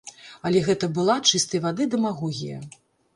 Але гэта была чыстай вады дэмагогія.